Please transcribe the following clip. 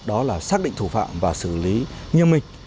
đó là xác định thủ phạm và xử lý như mình